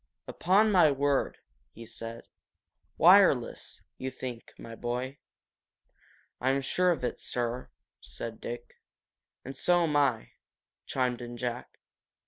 "Upon my word!" he said. "Wireless, you think, my boy?" "I'm sure of it, sir," said Dick. "And so'm I," chimed in Jack.